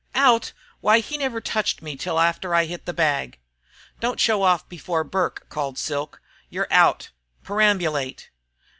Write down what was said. Out? Why, he never touched me till after I hit the bag." "Don't show off before Burke," called Silk. "You're out! Perambulate!"